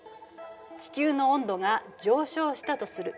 地球の温度が上昇したとする。